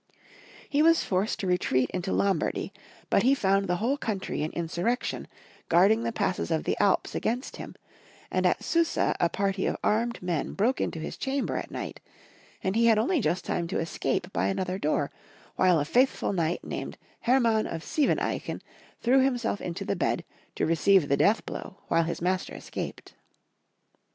He was forced to retreat into Lombar dy, but he found the whole country in insurrection, guarding the passes of the Alps against hun, and at Susa a party of armed men broke into his chamber at night, and he had only just time to escape by another door, while a faithful knight named Her man of Sieveneichen threw himself into the bed to receive the death blow while his master escaped.